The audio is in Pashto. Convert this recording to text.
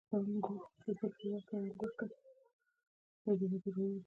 پاکستان امریکا ته پوځي هډې او لاره ورکړه.